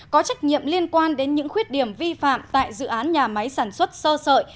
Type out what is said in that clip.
có trách nhiệm liên quan đến những khuyết điểm vi phạm tại dự án nhà máy sản xuất sơ sợi